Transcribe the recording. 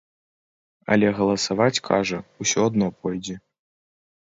Але галасаваць, кажа, усё адно пойдзе.